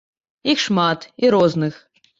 Іх шмат і розных.